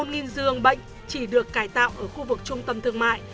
một giường bệnh chỉ được cải tạo ở khu vực trung tâm thương mại